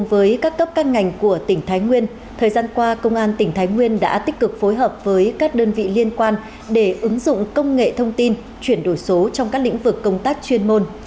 với các cấp các ngành của tỉnh thái nguyên thời gian qua công an tỉnh thái nguyên đã tích cực phối hợp với các đơn vị liên quan để ứng dụng công nghệ thông tin chuyển đổi số trong các lĩnh vực công tác chuyên môn